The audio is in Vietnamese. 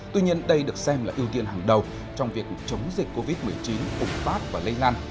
tuy nhiên đây được xem là ưu tiên hàng đầu trong việc chống dịch covid một mươi chín ủng phát và lây lan